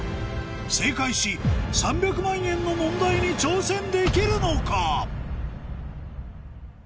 正解し３００万円の問題に挑戦できるのか？